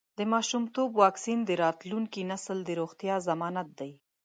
د ماشومتوب واکسین د راتلونکي نسل د روغتیا ضمانت دی.